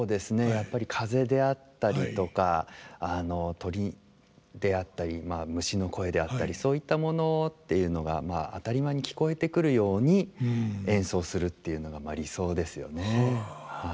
やっぱり風であったりとか鳥であったり虫の声であったりそういったものっていうのが当たり前に聞こえてくるように演奏するっていうのがまあ理想ですよね。